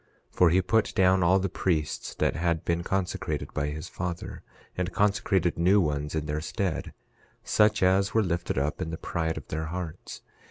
11:5 For he put down all the priests that had been consecrated by his father, and consecrated new ones in their stead, such as were lifted up in the pride of their hearts.